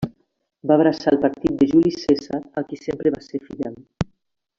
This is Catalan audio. Va abraçar el partit de Juli Cèsar al qui sempre va ser fidel.